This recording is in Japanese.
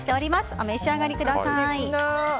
お召し上がりください。